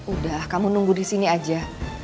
udah kamu nunggu di sini aja